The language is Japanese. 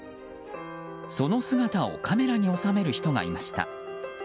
その姿をカメラに収める人がいました。